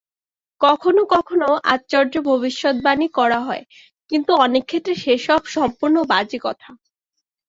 কখনও কখনও আশ্চর্য ভবিষ্যদ্বাণী করা হয়, কিন্তু অনেক ক্ষেত্রে সে-সব সম্পূর্ণ বাজে কথা।